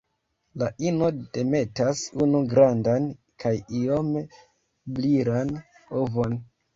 La ino demetas unu grandan kaj iome brilan ovon.